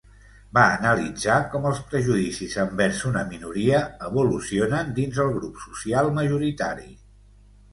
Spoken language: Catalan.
Va analitzar com els prejudicis envers una minoria evolucionen dins el grup social majoritari.